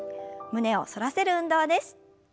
胸を反らせる運動です。